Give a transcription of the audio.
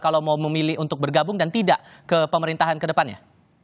kalau mau memilih untuk bergabung dan tidak ke pemerintahan ke depannya